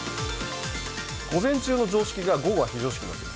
午前中の常識が午後は非常識になってる。